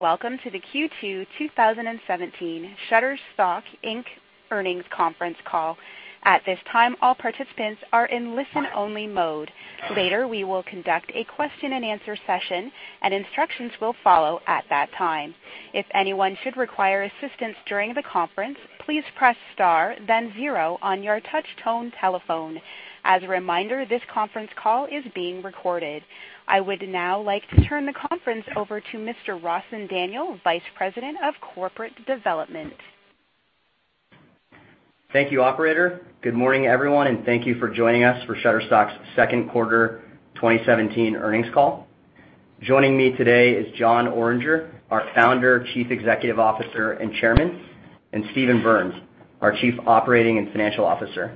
Welcome to the Q2 2017 Shutterstock, Inc. Earnings Conference Call. At this time, all participants are in listen-only mode. Later, we will conduct a question and answer session, and instructions will follow at that time. If anyone should require assistance during the conference, please press star then zero on your touch tone telephone. As a reminder, this conference call is being recorded. I would now like to turn the conference over to Mr. Rawson Daniel, Vice President of Corporate Development. Thank you, operator. Good morning, everyone, and thank you for joining us for Shutterstock's second quarter 2017 earnings call. Joining me today is Jon Oringer, our Founder, Chief Executive Officer, and Chairman, and Steven Berns, our Chief Operating and Financial Officer.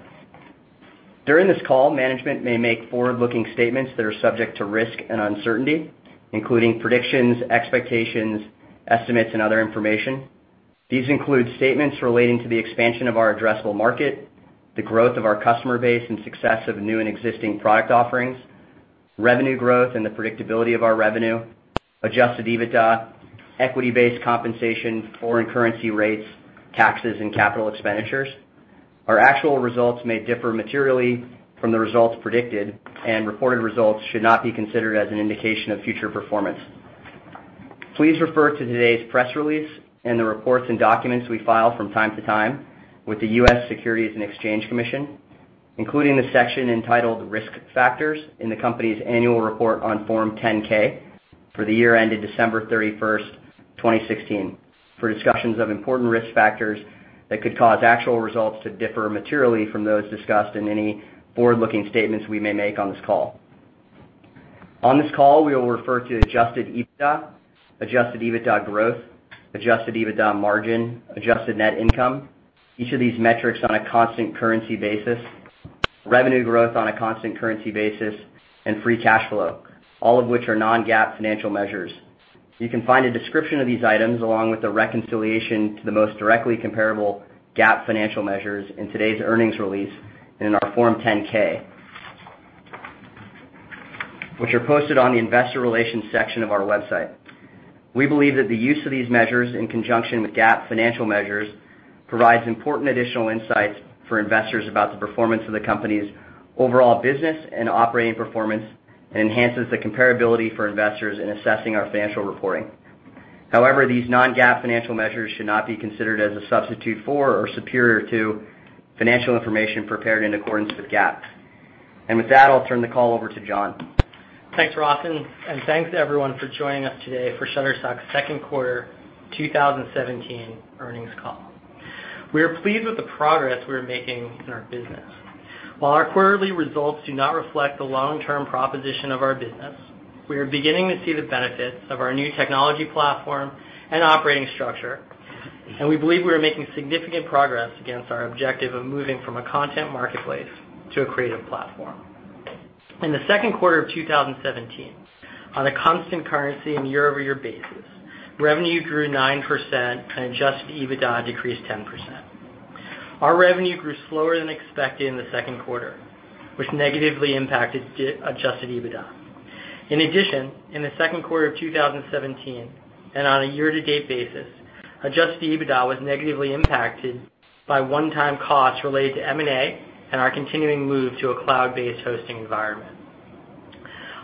During this call, management may make forward-looking statements that are subject to risk and uncertainty, including predictions, expectations, estimates, and other information. These include statements relating to the expansion of our addressable market, the growth of our customer base, and success of new and existing product offerings, revenue growth and the predictability of our revenue, adjusted EBITDA, equity-based compensation, foreign currency rates, taxes, and capital expenditures. Our actual results may differ materially from the results predicted, and reported results should not be considered as an indication of future performance. Please refer to today's press release and the reports and documents we file from time to time with the U.S. Securities and Exchange Commission, including the section entitled Risk Factors in the company's annual report on Form 10-K for the year ended December 31st, 2016, for discussions of important risk factors that could cause actual results to differ materially from those discussed in any forward-looking statements we may make on this call. On this call, we will refer to adjusted EBITDA, adjusted EBITDA growth, adjusted EBITDA margin, adjusted net income, each of these metrics on a constant currency basis, revenue growth on a constant currency basis, and free cash flow, all of which are non-GAAP financial measures. You can find a description of these items along with a reconciliation to the most directly comparable GAAP financial measures in today's earnings release and in our Form 10-K, which are posted on the investor relations section of our website. We believe that the use of these measures in conjunction with GAAP financial measures provides important additional insights for investors about the performance of the company's overall business and operating performance and enhances the comparability for investors in assessing our financial reporting. However, these non-GAAP financial measures should not be considered as a substitute for or superior to financial information prepared in accordance with GAAP. With that, I'll turn the call over to Jon. Thanks, Rawson, and thanks, everyone, for joining us today for Shutterstock's second quarter 2017 earnings call. We are pleased with the progress we're making in our business. While our quarterly results do not reflect the long-term proposition of our business, we are beginning to see the benefits of our new technology platform and operating structure, and we believe we are making significant progress against our objective of moving from a content marketplace to a creative platform. In the second quarter of 2017, on a constant currency and year-over-year basis, revenue grew 9% and adjusted EBITDA decreased 10%. Our revenue grew slower than expected in the second quarter, which negatively impacted adjusted EBITDA. In addition, in the second quarter of 2017 and on a year-to-date basis, adjusted EBITDA was negatively impacted by one-time costs related to M&A and our continuing move to a cloud-based hosting environment.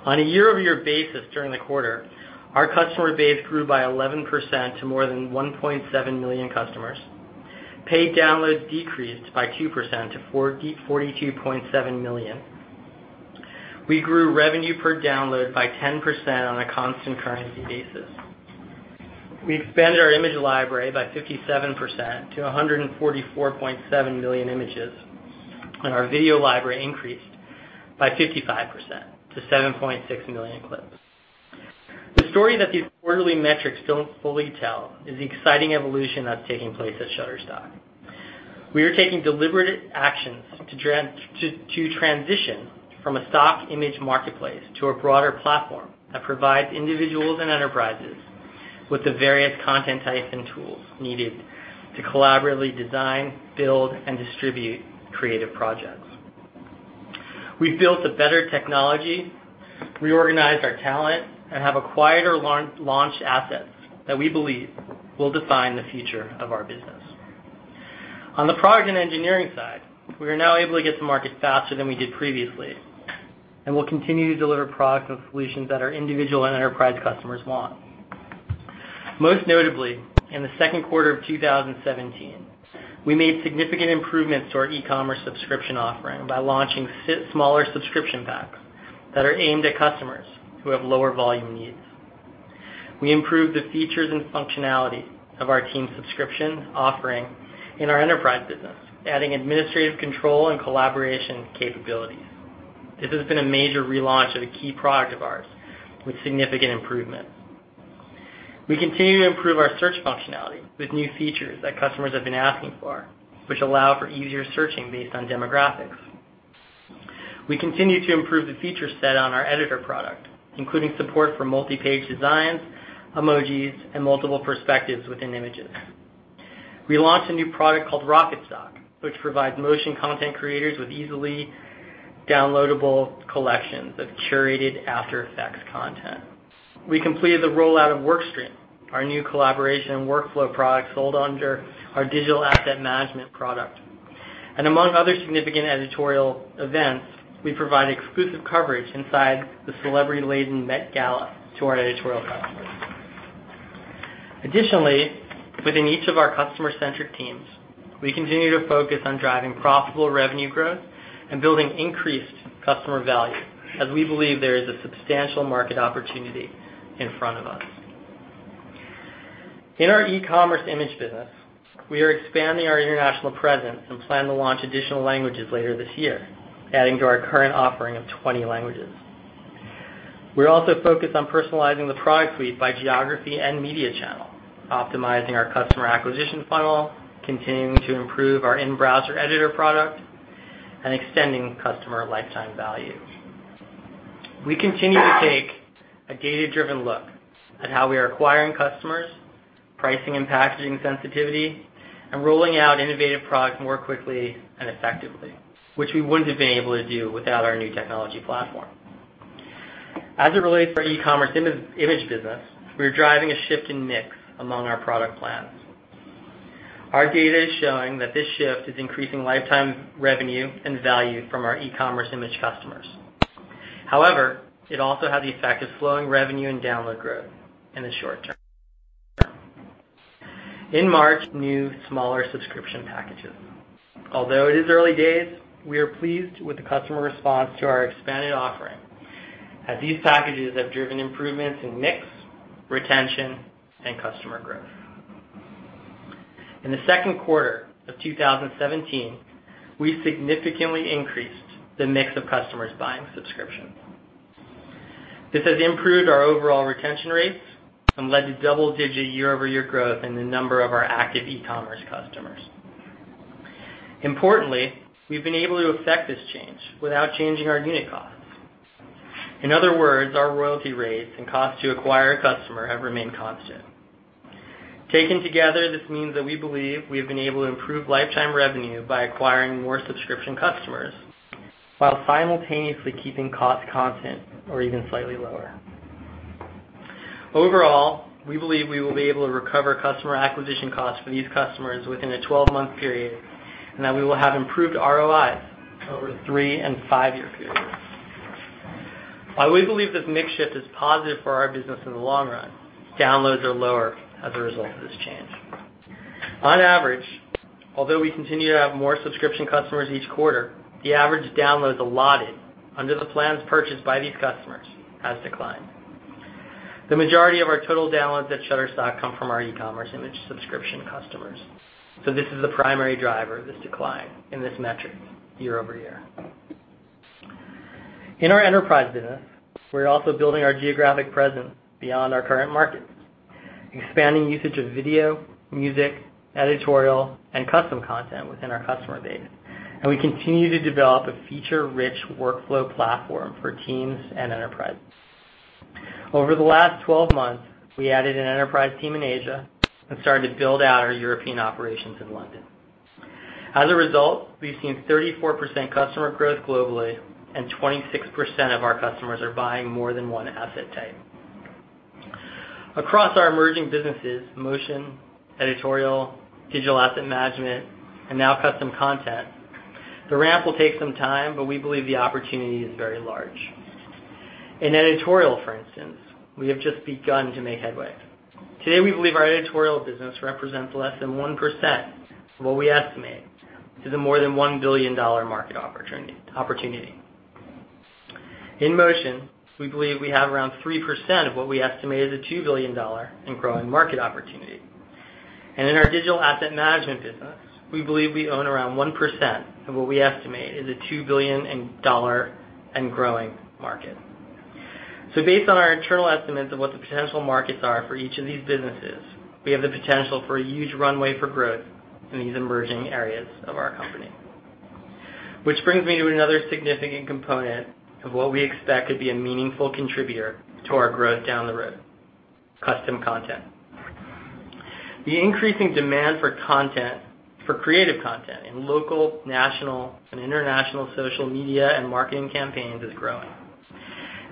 On a year-over-year basis during the quarter, our customer base grew by 11% to more than 1.7 million customers. Paid downloads decreased by 2% to 42.7 million. We grew revenue per download by 10% on a constant currency basis. We expanded our image library by 57% to 144.7 million images, and our video library increased by 55% to 7.6 million clips. The story that these quarterly metrics don't fully tell is the exciting evolution that's taking place at Shutterstock. We are taking deliberate actions to transition from a stock image marketplace to a broader platform that provides individuals and enterprises with the various content types and tools needed to collaboratively design, build, and distribute creative projects. We've built a better technology, reorganized our talent, and have acquired or launched assets that we believe will define the future of our business. On the product and engineering side, we are now able to get to market faster than we did previously, and we'll continue to deliver products and solutions that our individual and enterprise customers want. Most notably, in the second quarter of 2017, we made significant improvements to our e-commerce subscription offering by launching smaller subscription packs that are aimed at customers who have lower volume needs. We improved the features and functionality of our team subscription offering in our enterprise business, adding administrative control and collaboration capabilities. This has been a major relaunch of a key product of ours with significant improvements. We continue to improve our search functionality with new features that customers have been asking for, which allow for easier searching based on demographics. We continue to improve the feature set on our editor product, including support for multi-page designs, emojis, and multiple perspectives within images. We launched a new product called RocketStock, which provides motion content creators with easily downloadable collections of curated After Effects content. We completed the rollout of Workstream, our new collaboration and workflow product sold under our digital asset management product. Among other significant editorial events, we provide exclusive coverage inside the celebrity-laden Met Gala to our editorial customers. Additionally, within each of our customer-centric teams, we continue to focus on driving profitable revenue growth and building increased customer value as we believe there is a substantial market opportunity in front of us. In our e-commerce image business, we are expanding our international presence and plan to launch additional languages later this year, adding to our current offering of 20 languages. We're also focused on personalizing the product suite by geography and media channel, optimizing our customer acquisition funnel, continuing to improve our in-browser editor product, and extending customer lifetime value. We continue to take a data-driven look at how we are acquiring customers, pricing and packaging sensitivity, and rolling out innovative products more quickly and effectively, which we wouldn't have been able to do without our new technology platform. As it relates to our e-commerce image business, we are driving a shift in mix among our product plans. Our data is showing that this shift is increasing lifetime revenue and value from our e-commerce image customers. However, it also has the effect of slowing revenue and download growth in the short term. In March, new smaller subscription packages. Although it is early days, we are pleased with the customer response to our expanded offering, as these packages have driven improvements in mix, retention, and customer growth. In the second quarter of 2017, we significantly increased the mix of customers buying subscriptions. This has improved our overall retention rates and led to double-digit year-over-year growth in the number of our active e-commerce customers. Importantly, we've been able to effect this change without changing our unit costs. In other words, our royalty rates and cost to acquire a customer have remained constant. Taken together, this means that we believe we have been able to improve lifetime revenue by acquiring more subscription customers while simultaneously keeping costs constant or even slightly lower. Overall, we believe we will be able to recover customer acquisition costs for these customers within a 12-month period, and that we will have improved ROIs over three and five-year periods. While we believe this mix shift is positive for our business in the long run, downloads are lower as a result of this change. On average, although we continue to have more subscription customers each quarter, the average downloads allotted under the plans purchased by these customers has declined. The majority of our total downloads at Shutterstock come from our e-commerce image subscription customers, so this is the primary driver of this decline in this metric year-over-year. In our enterprise business, we're also building our geographic presence beyond our current markets, expanding usage of video, music, editorial, and custom content within our customer base, and we continue to develop a feature-rich workflow platform for teams and enterprises. Over the last 12 months, we added an enterprise team in Asia and started to build out our European operations in London. As a result, we've seen 34% customer growth globally and 26% of our customers are buying more than one asset type. Across our emerging businesses, motion, editorial, digital asset management, and now custom content, the ramp will take some time, but we believe the opportunity is very large. In editorial, for instance, we have just begun to make headway. Today, we believe our editorial business represents less than 1% of what we estimate is a more than $1 billion market opportunity. In motion, we believe we have around 3% of what we estimate is a $2 billion and growing market opportunity. In our digital asset management business, we believe we own around 1% of what we estimate is a $2 billion and growing market. Based on our internal estimates of what the potential markets are for each of these businesses, we have the potential for a huge runway for growth in these emerging areas of our company. Which brings me to another significant component of what we expect to be a meaningful contributor to our growth down the road, custom content. The increasing demand for creative content in local, national, and international social media and marketing campaigns is growing.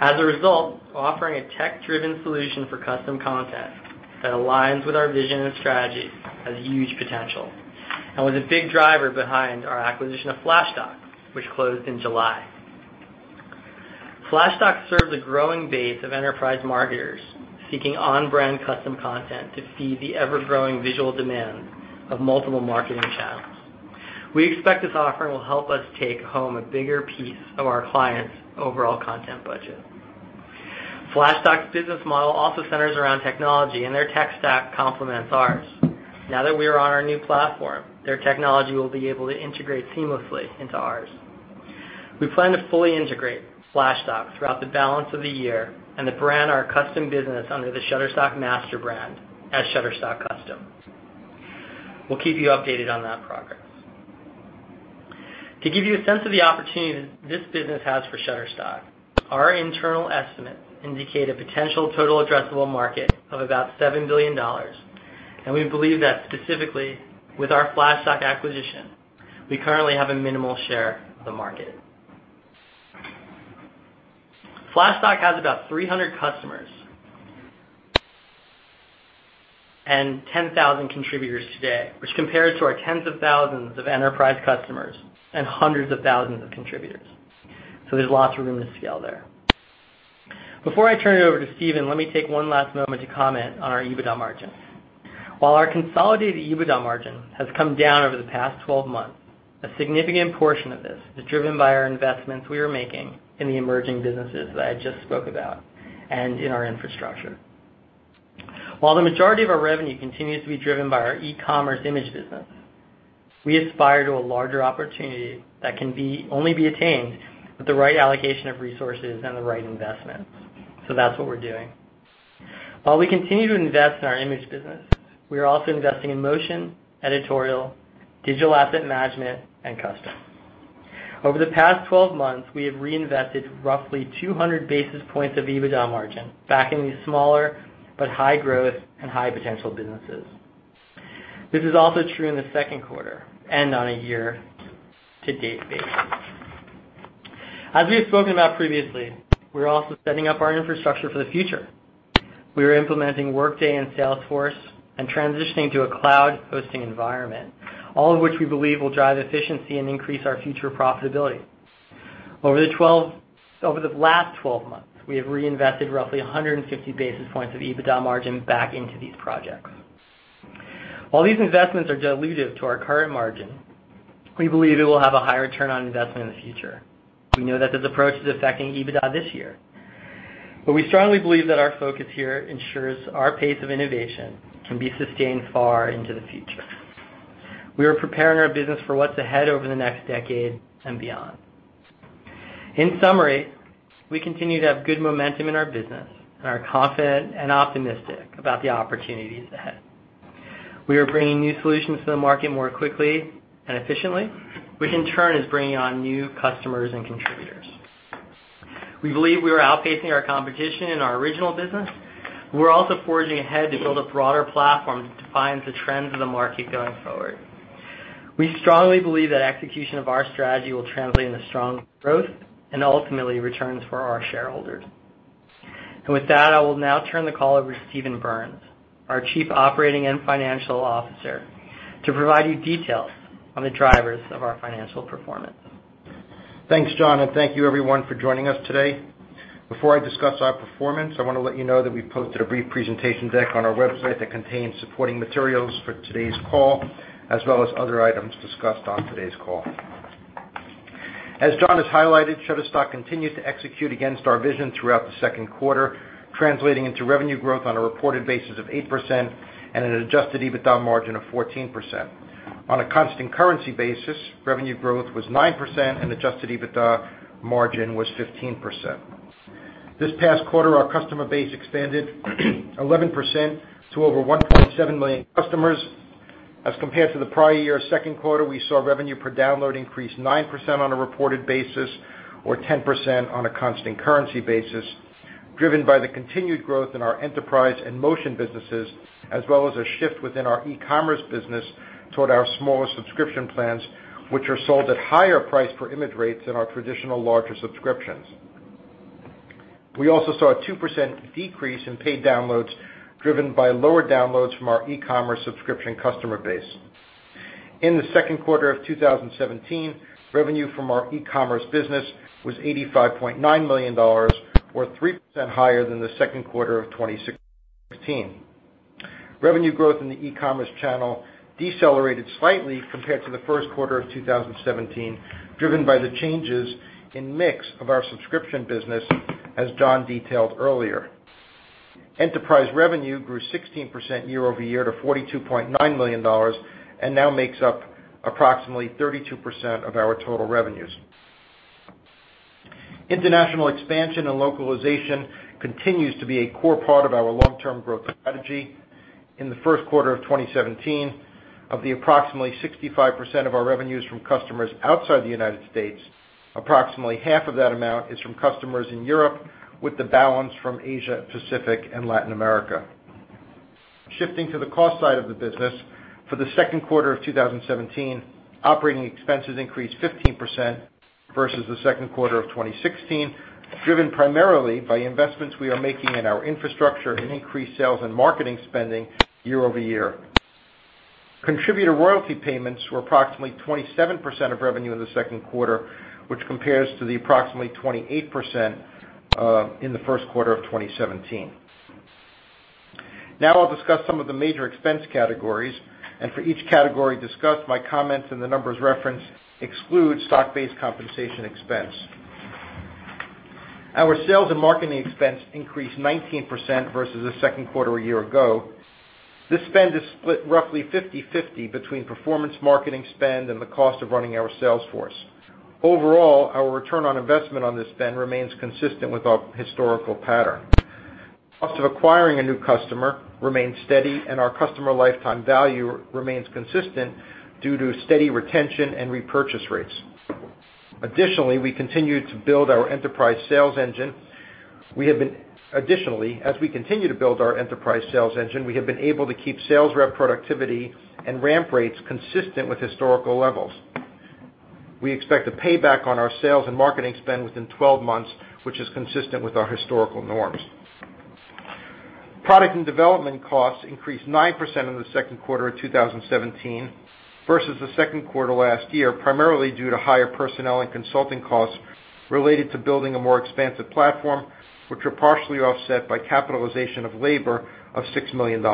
As a result, offering a tech-driven solution for custom content that aligns with our vision and strategy has huge potential, and was a big driver behind our acquisition of Flashstock, which closed in July. Flashstock serves a growing base of enterprise marketers seeking on-brand custom content to feed the ever-growing visual demand of multiple marketing channels. We expect this offering will help us take home a bigger piece of our clients' overall content budget. Flashstock's business model also centers around technology. Their tech stack complements ours. Now that we are on our new platform, their technology will be able to integrate seamlessly into ours. We plan to fully integrate Flashstock throughout the balance of the year and to brand our custom business under the Shutterstock master brand as Shutterstock Custom. We'll keep you updated on that progress. To give you a sense of the opportunity that this business has for Shutterstock, our internal estimates indicate a potential total addressable market of about $7 billion. We believe that specifically with our Flashstock acquisition, we currently have a minimal share of the market. Flashstock has about 300 customers and 10,000 contributors today, which compares to our tens of thousands of enterprise customers and hundreds of thousands of contributors. There's lots of room to scale there. Before I turn it over to Steven, let me take one last moment to comment on our EBITDA margin. While our consolidated EBITDA margin has come down over the past 12 months, a significant portion of this is driven by our investments we are making in the emerging businesses that I just spoke about and in our infrastructure. While the majority of our revenue continues to be driven by our e-commerce image business, we aspire to a larger opportunity that can only be attained with the right allocation of resources and the right investments. That's what we're doing. While we continue to invest in our image business, we are also investing in motion, editorial, digital asset management, and custom. Over the past 12 months, we have reinvested roughly 200 basis points of EBITDA margin back into smaller but high growth and high potential businesses. This is also true in the second quarter and on a year-to-date basis. As we have spoken about previously, we're also setting up our infrastructure for the future. We are implementing Workday and Salesforce and transitioning to a cloud hosting environment, all of which we believe will drive efficiency and increase our future profitability. Over the last 12 months, we have reinvested roughly 150 basis points of EBITDA margin back into these projects. While these investments are dilutive to our current margin, we believe it will have a high return on investment in the future. We know that this approach is affecting EBITDA this year. We strongly believe that our focus here ensures our pace of innovation can be sustained far into the future. We are preparing our business for what's ahead over the next decade and beyond. In summary, we continue to have good momentum in our business and are confident and optimistic about the opportunities ahead. We are bringing new solutions to the market more quickly and efficiently, which in turn is bringing on new customers and contributors. We believe we are outpacing our competition in our original business. We are also forging ahead to build a broader platform that defines the trends of the market going forward. We strongly believe that execution of our strategy will translate into strong growth and ultimately returns for our shareholders. With that, I will now turn the call over to Steven Berns, our Chief Operating and Financial Officer, to provide you details on the drivers of our financial performance. Thanks, Jon, thank you everyone for joining us today. Before I discuss our performance, I want to let you know that we posted a brief presentation deck on our website that contains supporting materials for today's call, as well as other items discussed on today's call. As Jon has highlighted, Shutterstock continued to execute against our vision throughout the second quarter, translating into revenue growth on a reported basis of 8% and an adjusted EBITDA margin of 14%. On a constant currency basis, revenue growth was 9% and adjusted EBITDA margin was 15%. This past quarter, our customer base expanded 11% to over 1.7 million customers as compared to the prior year second quarter, we saw revenue per download increase 9% on a reported basis or 10% on a constant currency basis, driven by the continued growth in our enterprise and motion businesses, as well as a shift within our e-commerce business toward our smaller subscription plans, which are sold at higher price per image rates than our traditional larger subscriptions. We also saw a 2% decrease in paid downloads, driven by lower downloads from our e-commerce subscription customer base. In the second quarter of 2017, revenue from our e-commerce business was $85.9 million, or 3% higher than the second quarter of 2016. Revenue growth in the e-commerce channel decelerated slightly compared to the first quarter of 2017, driven by the changes in mix of our subscription business, as Jon detailed earlier. Enterprise revenue grew 16% year-over-year to $42.9 million and now makes up approximately 32% of our total revenues. International expansion and localization continues to be a core part of our long-term growth strategy. In the first quarter of 2017, of the approximately 65% of our revenues from customers outside the U.S., approximately half of that amount is from customers in Europe, with the balance from Asia, Pacific, and Latin America. Shifting to the cost side of the business, for the second quarter of 2017, operating expenses increased 15% versus the second quarter of 2016, driven primarily by investments we are making in our infrastructure and increased sales and marketing spending year-over-year. Contributor royalty payments were approximately 27% of revenue in the second quarter, which compares to the approximately 28% in the first quarter of 2017. I'll discuss some of the major expense categories. For each category discussed, my comments and the numbers referenced exclude stock-based compensation expense. Our sales and marketing expense increased 19% versus the second quarter a year ago. This spend is split roughly 50/50 between performance marketing spend and the cost of running our sales force. Overall, our return on investment on this spend remains consistent with our historical pattern. Cost of acquiring a new customer remains steady, and our customer lifetime value remains consistent due to steady retention and repurchase rates. Additionally, as we continue to build our enterprise sales engine, we have been able to keep sales rep productivity and ramp rates consistent with historical levels. We expect a payback on our sales and marketing spend within 12 months, which is consistent with our historical norms. Product and development costs increased 9% in the second quarter of 2017 versus the second quarter last year, primarily due to higher personnel and consulting costs related to building a more expansive platform, which were partially offset by capitalization of labor of $6 million.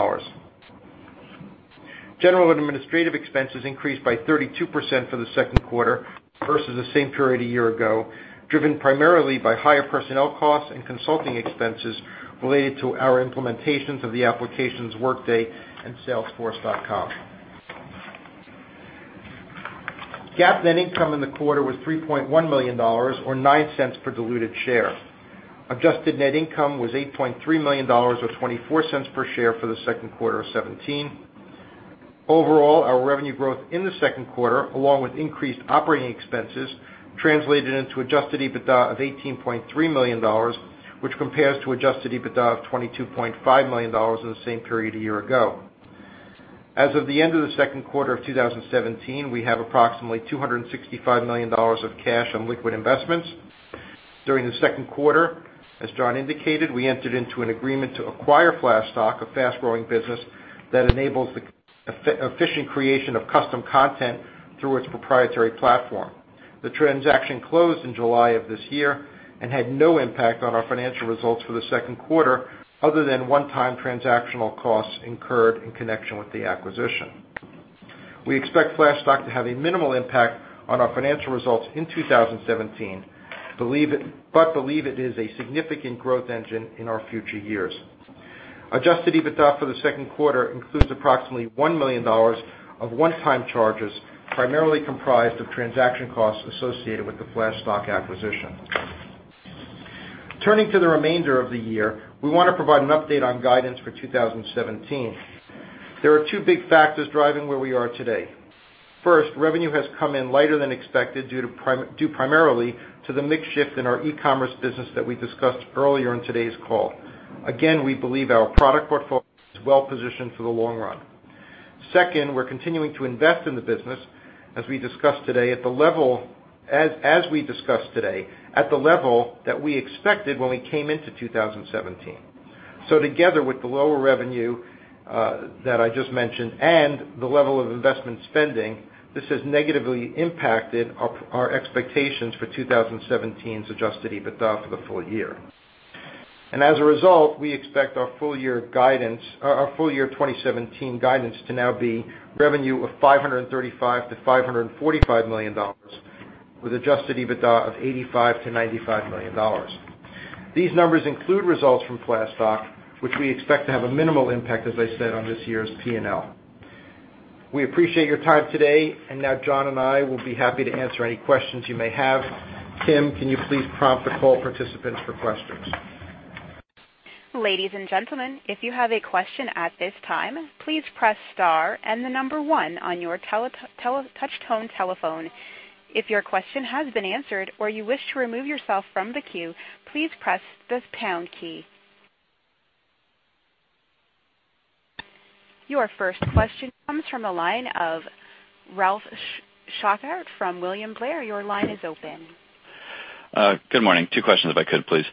General and administrative expenses increased by 32% for the second quarter versus the same period a year ago, driven primarily by higher personnel costs and consulting expenses related to our implementations of the applications Workday and Salesforce.com. GAAP net income in the quarter was $3.1 million, or $0.09 per diluted share. Adjusted net income was $8.3 million, or $0.24 per share for the second quarter of 2017. Overall, our revenue growth in the second quarter, along with increased operating expenses, translated into adjusted EBITDA of $18.3 million, which compares to adjusted EBITDA of $22.5 million in the same period a year ago. As of the end of the second quarter of 2017, we have approximately $265 million of cash on liquid investments. During the second quarter, as Jon indicated, we entered into an agreement to acquire Flashstock, a fast-growing business that enables the efficient creation of custom content through its proprietary platform. The transaction closed in July of this year and had no impact on our financial results for the second quarter, other than one-time transactional costs incurred in connection with the acquisition. We expect Flashstock to have a minimal impact on our financial results in 2017, but believe it is a significant growth engine in our future years. Adjusted EBITDA for the second quarter includes approximately $1 million of one-time charges, primarily comprised of transaction costs associated with the Flashstock acquisition. Turning to the remainder of the year, we want to provide an update on guidance for 2017. There are two big factors driving where we are today. First, revenue has come in lighter than expected due primarily to the mix shift in our e-commerce business that we discussed earlier in today's call. Again, we believe our product portfolio is well-positioned for the long run. Second, we're continuing to invest in the business as we discussed today, at the level that we expected when we came into 2017. Together with the lower revenue that I just mentioned, and the level of investment spending, this has negatively impacted our expectations for 2017's adjusted EBITDA for the full year. As a result, we expect our full year 2017 guidance to now be revenue of $535 million-$545 million, with adjusted EBITDA of $85 million-$95 million. These numbers include results from Flashstock, which we expect to have a minimal impact, as I said, on this year's P&L. We appreciate your time today. Now Jon and I will be happy to answer any questions you may have. Tim, can you please prompt the call participants for questions? Ladies and gentlemen, if you have a question at this time, please press star and the number one on your touchtone telephone. If your question has been answered or you wish to remove yourself from the queue, please press the pound key. Your first question comes from the line of Ralph Schackart from William Blair. Your line is open. Good morning. Two questions if I could, please.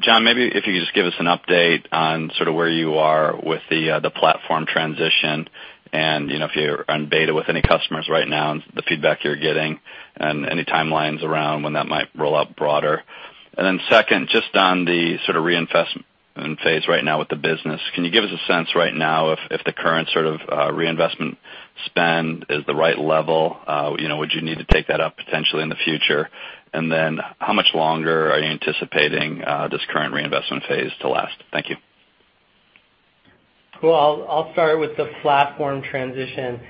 Jon, maybe if you could just give us an update on sort of where you are with the platform transition and if you're on beta with any customers right now and the feedback you're getting and any timelines around when that might roll out broader. Then second, just on the sort of reinvestment phase right now with the business, can you give us a sense right now if the current sort of reinvestment spend is the right level? Would you need to take that up potentially in the future? And then how much longer are you anticipating this current reinvestment phase to last? Thank you. Well, I'll start with the platform transition.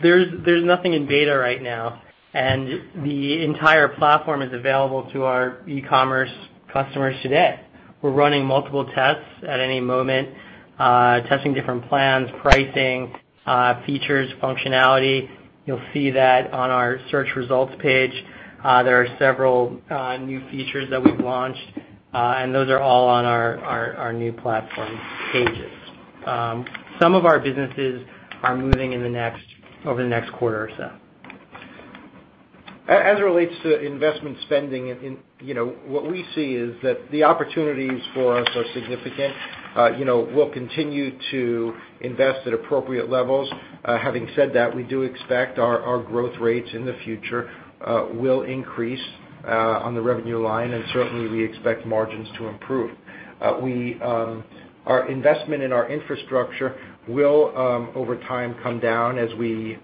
There's nothing in beta right now. The entire platform is available to our e-commerce customers today. We're running multiple tests at any moment, testing different plans, pricing, features, functionality. You'll see that on our search results page. There are several new features that we've launched, and those are all on our new platform pages. Some of our businesses are moving over the next quarter or so. As it relates to investment spending, what we see is that the opportunities for us are significant. We'll continue to invest at appropriate levels. Having said that, we do expect our growth rates in the future will increase on the revenue line, and certainly, we expect margins to improve. Our investment in our infrastructure will, over time, come down as we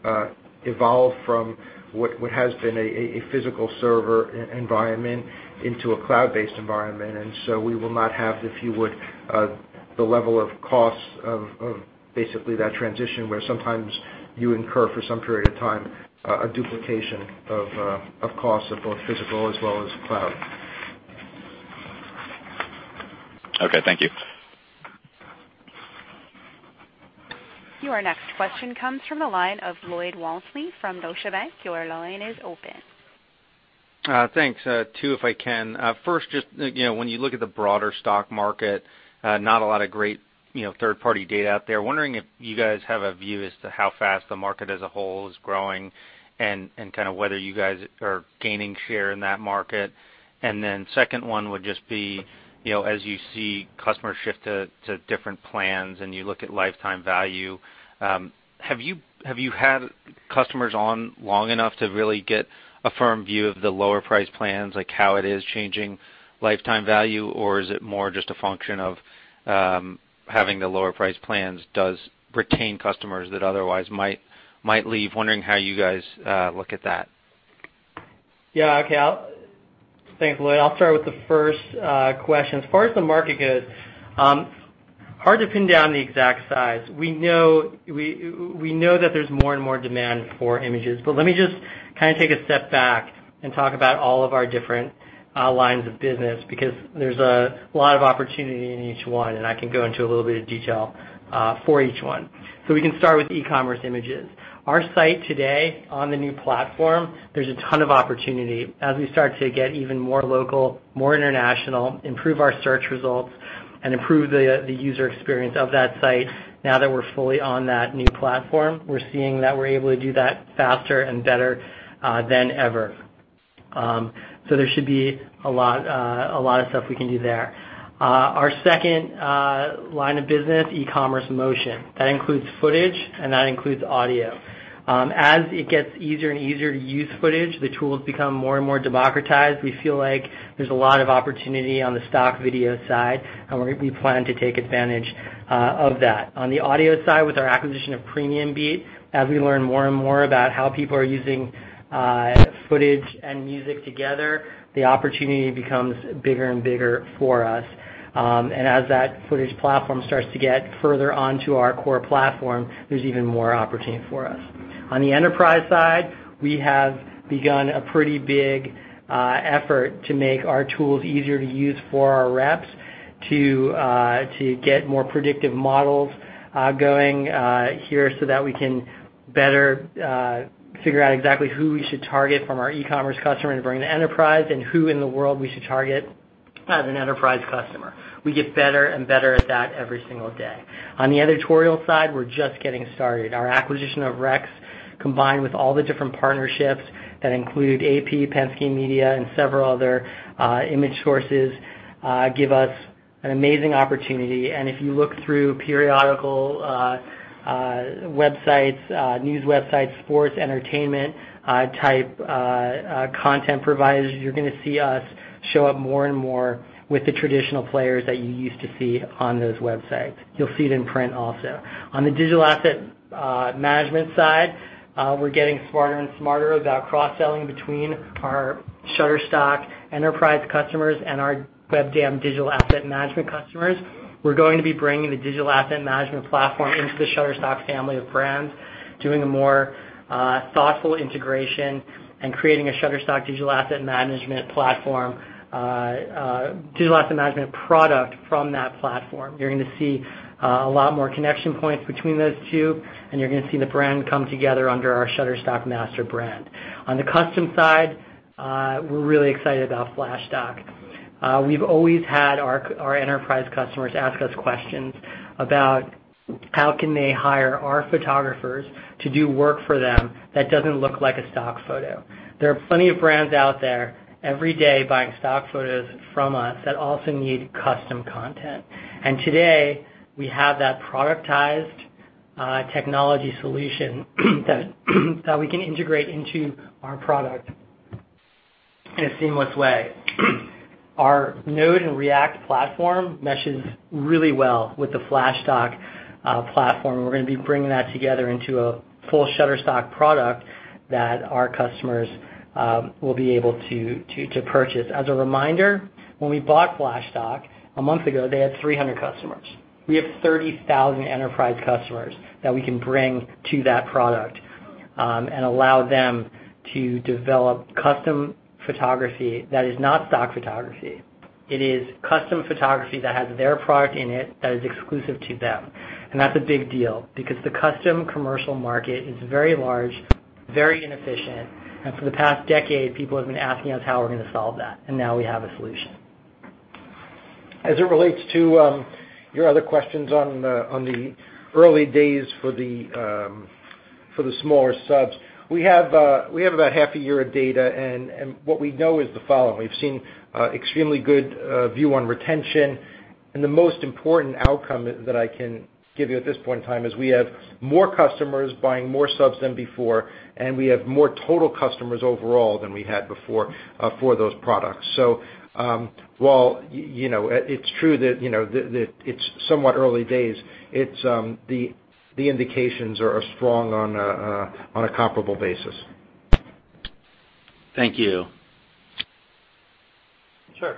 evolve from what has been a physical server environment into a cloud-based environment. We will not have, if you would, the level of costs of basically that transition where sometimes you incur for some period of time a duplication of costs of both physical as well as cloud. Okay, thank you. Your next question comes from the line of Lloyd Walmsley from Deutsche Bank. Your line is open. Thanks. Two if I can. First, just when you look at the broader stock market, not a lot of great third-party data out there. Wondering if you guys have a view as to how fast the market as a whole is growing and kind of whether you guys are gaining share in that market. Second one would just be, as you see customers shift to different plans and you look at lifetime value, have you had customers on long enough to really get a firm view of the lower price plans, like how it is changing lifetime value? Or is it more just a function of having the lower price plans does retain customers that otherwise might leave? Wondering how you guys look at that. Thanks, Lloyd. I'll start with the first question. As far as the market goes, hard to pin down the exact size. We know that there's more and more demand for images. Let me just kind of take a step back and talk about all of our different lines of business, because there's a lot of opportunity in each one, and I can go into a little bit of detail for each one. We can start with e-commerce images. Our site today on the new platform, there's a ton of opportunity as we start to get even more local, more international, improve our search results, and improve the user experience of that site. Now that we're fully on that new platform, we're seeing that we're able to do that faster and better than ever. There should be a lot of stuff we can do there. Our second line of business, e-commerce motion. That includes footage and that includes audio. As it gets easier and easier to use footage, the tools become more and more democratized. We feel like there's a lot of opportunity on the stock video side, and we plan to take advantage of that. On the audio side, with our acquisition of PremiumBeat, as we learn more and more about how people are using footage and music together, the opportunity becomes bigger and bigger for us. As that footage platform starts to get further onto our core platform, there's even more opportunity for us. On the enterprise side, we have begun a pretty big effort to make our tools easier to use for our reps to get more predictive models going here so that we can better figure out exactly who we should target from our e-commerce customer and bring to enterprise and who in the world we should target as an enterprise customer. We get better and better at that every single day. On the editorial side, we're just getting started. Our acquisition of Rex, combined with all the different partnerships that include AP, Penske Media, and several other image sources give us an amazing opportunity. If you look through periodical websites, news websites, sports, entertainment type content providers, you're going to see us show up more and more with the traditional players that you used to see on those websites. You'll see it in print also. On the digital asset management side, we're getting smarter and smarter about cross-selling between our Shutterstock enterprise customers and our Webdam digital asset management customers. We're going to be bringing the digital asset management platform into the Shutterstock family of brands, doing a more thoughtful integration and creating a Shutterstock digital asset management product from that platform. You're going to see a lot more connection points between those two, and you're going to see the brand come together under our Shutterstock master brand. On the custom side, we're really excited about Flashstock. We've always had our enterprise customers ask us questions about how can they hire our photographers to do work for them that doesn't look like a stock photo. There are plenty of brands out there every day buying stock photos from us that also need custom content. Today, we have that productized technology solution that we can integrate into our product in a seamless way. Our Node and React platform meshes really well with the Flashstock platform. We're going to be bringing that together into a full Shutterstock product that our customers will be able to purchase. As a reminder, when we bought Flashstock a month ago, they had 300 customers. We have 30,000 enterprise customers that we can bring to that product and allow them to develop custom photography that is not stock photography. It is custom photography that has their product in it that is exclusive to them. That's a big deal because the custom commercial market is very large, very inefficient, and for the past decade, people have been asking us how we're going to solve that, and now we have a solution. As it relates to your other questions on the early days for the smaller subs, we have about half a year of data, what we know is the following. We've seen extremely good view on retention, and the most important outcome that I can give you at this point in time is we have more customers buying more subs than before, and we have more total customers overall than we had before for those products. While it's true that it's somewhat early days, the indications are strong on a comparable basis. Thank you. Sure.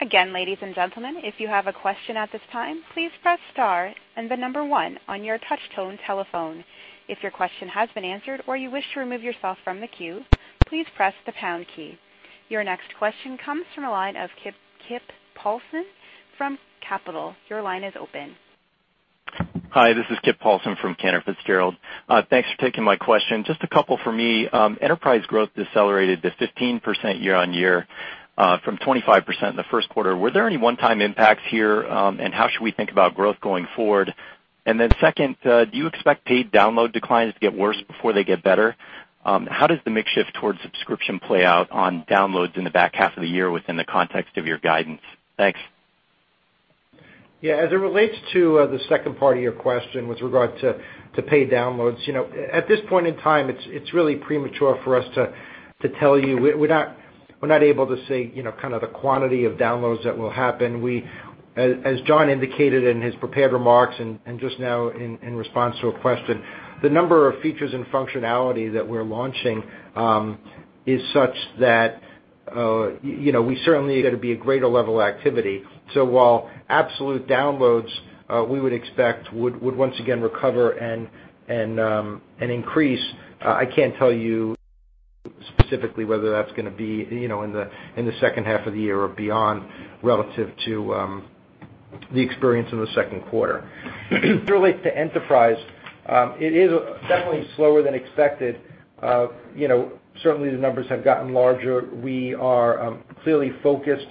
Again, ladies and gentlemen, if you have a question at this time, please press star and the number 1 on your touch-tone telephone. If your question has been answered or you wish to remove yourself from the queue, please press the pound key. Your next question comes from the line of Kip Paulson from Cantor Fitzgerald. Your line is open. Hi, this is Kip Paulson from Cantor Fitzgerald. Thanks for taking my question. Just a couple for me. Enterprise growth decelerated to 15% year-over-year from 25% in the first quarter. Were there any one-time impacts here? How should we think about growth going forward? Second, do you expect paid download declines to get worse before they get better? How does the mix shift towards subscription play out on downloads in the back half of the year within the context of your guidance? Thanks. As it relates to the second part of your question with regard to paid downloads, at this point in time, it's really premature for us to tell you. We're not able to say the quantity of downloads that will happen. As Jon indicated in his prepared remarks and just now in response to a question, the number of features and functionality that we're launching is such that we certainly think there'd be a greater level of activity. While absolute downloads, we would expect, would once again recover and increase, I can't tell you specifically whether that's going to be in the second half of the year or beyond relative to the experience in the second quarter. As it relates to enterprise, it is definitely slower than expected. Certainly, the numbers have gotten larger. We are clearly focused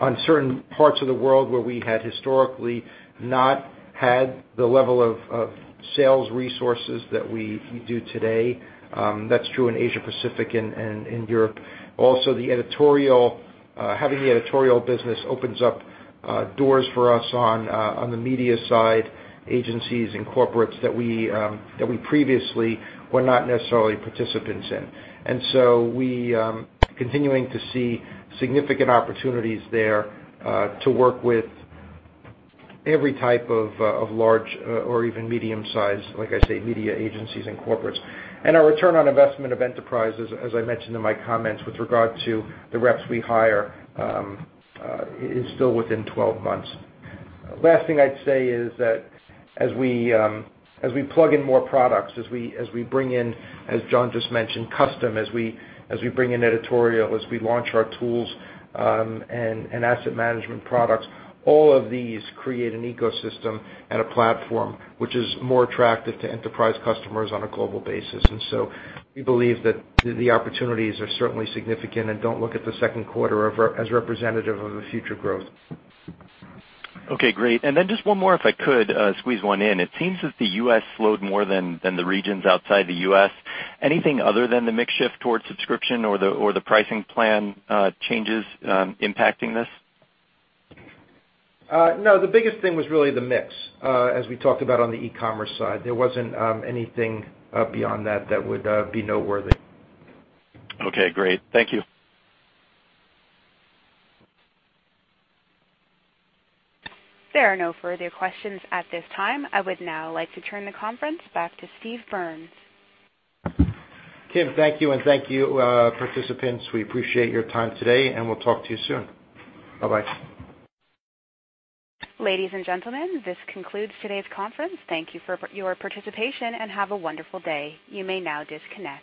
on certain parts of the world where we had historically not had the level of sales resources that we do today. That's true in Asia-Pacific and in Europe. Also, having the editorial business opens up doors for us on the media side, agencies, and corporates that we previously were not necessarily participants in. We are continuing to see significant opportunities there to work with every type of large or even medium-sized, like I say, media agencies and corporates. Our return on investment of enterprises, as I mentioned in my comments with regard to the reps we hire, is still within 12 months. Last thing I'd say is that as we plug in more products, as we bring in, as Jon just mentioned, Custom, as we bring in editorial, as we launch our tools and asset management products, all of these create an ecosystem and a platform which is more attractive to enterprise customers on a global basis. We believe that the opportunities are certainly significant and don't look at the second quarter as representative of the future growth. Okay, great. Just one more if I could squeeze one in. It seems that the U.S. slowed more than the regions outside the U.S. Anything other than the mix shift towards subscription or the pricing plan changes impacting this? No, the biggest thing was really the mix, as we talked about on the e-commerce side. There wasn't anything beyond that that would be noteworthy. Okay, great. Thank you. There are no further questions at this time. I would now like to turn the conference back to Steve Berns. Kip, thank you. Thank you, participants. We appreciate your time today. We'll talk to you soon. Bye-bye. Ladies and gentlemen, this concludes today's conference. Thank you for your participation. Have a wonderful day. You may now disconnect.